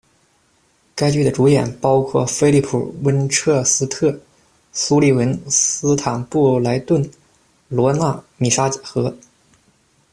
该剧的主演包括菲利普·温彻斯特、苏利文·斯坦布莱顿、萝娜·米莎和。